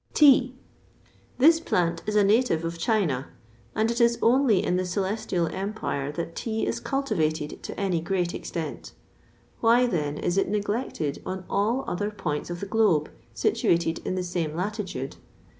[XXVI 48] TEA. This plant is a native of China, and it is only in the Celestial Empire that tea is cultivated to any great extent. Why, then, is it neglected on all other points of the globe situated in the same latitude?